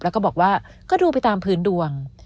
แล้วก็บอกว่าก็ดูไปตามพื้นดวง